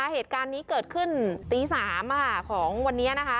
เหตุการณ์นี้เกิดขึ้นตี๓ของวันนี้นะคะ